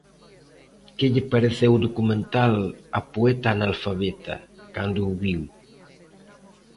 Que lle pareceu o documental "A poeta analfabeta" cando o viu?